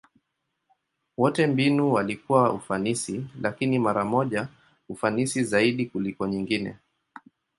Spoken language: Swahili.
Wote mbinu walikuwa ufanisi, lakini mara moja ufanisi zaidi kuliko nyingine.